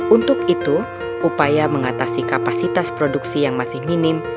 untuk itu upaya mengatasi kapasitas produksi yang masih minim